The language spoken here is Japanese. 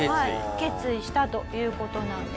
決意したという事なんです。